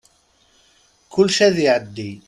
Kullec ad iɛeddi.